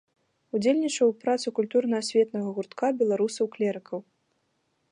Удзельнічаў у працы культурна-асветнага гуртка беларусаў-клерыкаў.